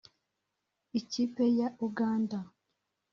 Ikipe ya Uganda